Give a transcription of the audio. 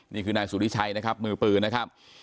นี่คือนายสุริชัยนะครับมือปืนนะครับ